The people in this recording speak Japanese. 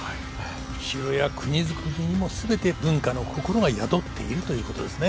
城や国造りにも全て「文化の心」が宿っているということですね。